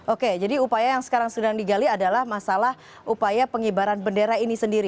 oke jadi upaya yang sekarang sedang digali adalah masalah upaya pengibaran bendera ini sendiri